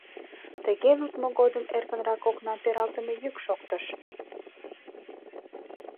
Тыге лудмо годым эркынрак окнам пералтыме йӱк шоктыш.